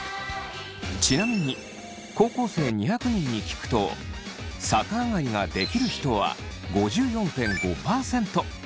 ちなみに高校生２００人に聞くと逆上がりができる人は５４．５％。